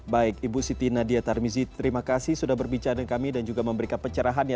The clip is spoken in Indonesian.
baik ibu siti nadia tarmizi terima kasih sudah berbicara dengan kami dan juga memberikan pencerahan ya